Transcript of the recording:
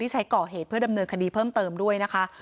ใช้ก่อเหตุเพื่อดำเนินคดีเพิ่มเติมด้วยนะคะ